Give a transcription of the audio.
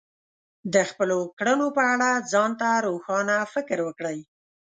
د خپلو کړنو په اړه ځان ته روښانه فکر وکړئ.